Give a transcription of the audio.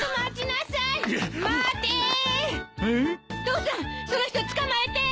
父さんその人つかまえて！